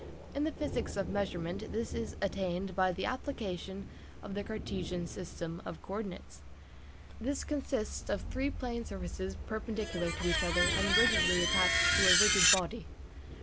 In the physics of measurement this is attained by the application of the Cartesian system of co ordinates. This consists of three plane surfaces perpendicular to each other and rigidly attached to a rigid body.